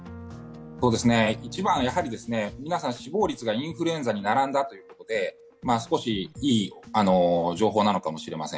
一番はやはり皆さん死亡率がインフルエンザに並んだということで少しいい情報なのかもしれません。